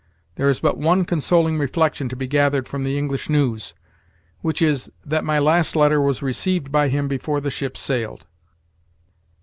There is but one consoling reflection to be gathered from the English news, which is, that my last letter was received by him before the ship sailed."